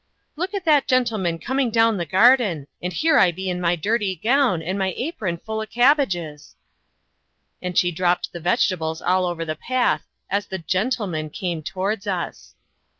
"Look at that young gentleman coming down the garden; and here I be in my dirty gown, and my apron full o' cabbages." And she dropped the vegetables all over the path as the "gentleman" came towards us.